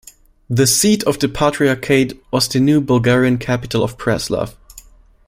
The seat of the Patriarchate was the new Bulgarian capital of Preslav.